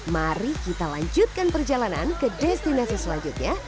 mari kita lanjutkan perjalanan ke destinasi selanjutnya